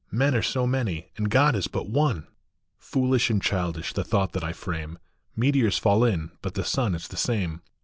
Men are so many, and God is but one ! Foolish and childish the thought that I frame. Meteors fall in, but the sun is the same.